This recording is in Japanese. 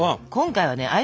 今回はね